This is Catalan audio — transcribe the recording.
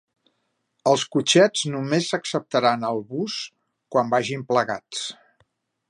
Els cotxets només s'acceptaran al bus quan vagin plegats